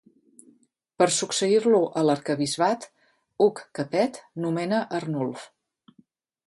Per succeir-lo a l'arquebisbat, Hug Capet nomena Arnulf.